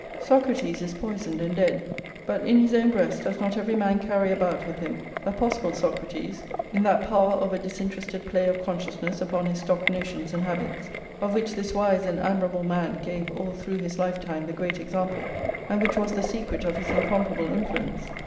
Socrates is poisoned and dead; but in his own breast does not every man carry about with him a possible Socrates, in that power of a disinterested play of consciousness upon his stock notions and habits, of which this wise and admirable man gave all through his lifetime the great example, and which was the secret of his incomparable influence?